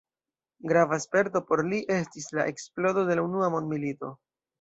Grava sperto por li estis la eksplodo de la Unua mondmilito.